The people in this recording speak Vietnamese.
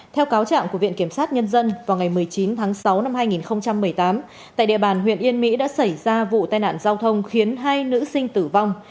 theo cáo trạng của viện kiểm sát nhân dân vào ngày một mươi chín tháng sáu năm hai nghìn một mươi tám tại địa bàn huyện yên mỹ đã xảy ra vụ tai nạn giao thông khiến hai nữ sinh tử vong